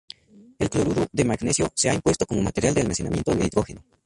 El cloruro de magnesio se ha impuesto como material de almacenamiento de hidrógeno.